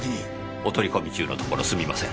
お取り込み中のところすみません。